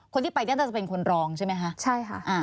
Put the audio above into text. คนที่ไปเนี่ยน่าจะเป็นคนรองใช่ไหมคะใช่ค่ะ